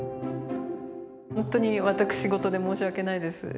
本当に私事で申し訳ないです。